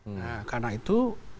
nah karena itu